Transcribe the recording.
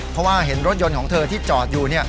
เพราะว่าเห็นรถยนต์ของเธอที่จอดอยู่